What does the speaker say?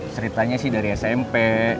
ceritanya sih dari smp